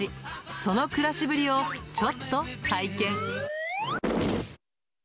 その暮らしぶりをちょっと拝見。